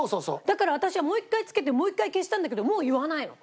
だから私はもう一回つけてもう一回消したんだけどもう言わないの。